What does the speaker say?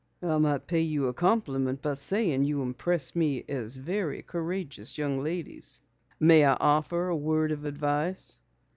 "I might pay you a compliment by saying you impress me as very courageous young ladies. May I offer a word of advice?"